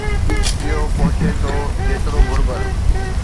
اهو پهچي ٿو جيترو گهربل